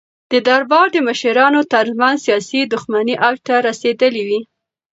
د دربار د مشرانو ترمنځ سیاسي دښمنۍ اوج ته رسېدلې وې.